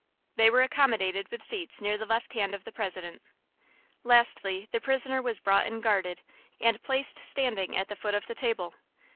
They were accomodated with seats near the left hand of the President. Lastly, the prisoner was brought in guarded, and placed standing at the foot of the table.